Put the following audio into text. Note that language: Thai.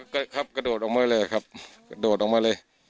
ก็ครับกระโดดออกมาเลยครับกระโดดออกมาเลย